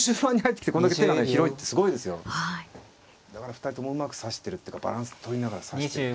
だから２人ともうまく指してるっていうかバランスとりながら指してる。